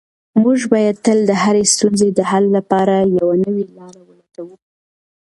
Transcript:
موږ باید تل د هرې ستونزې د حل لپاره یوه نوې لاره ولټوو.